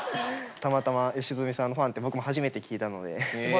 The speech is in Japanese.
たまたま良純さんのファンって僕も初めて聞いたので。